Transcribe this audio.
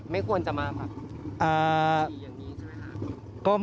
ไม่ควรจะมาแบบ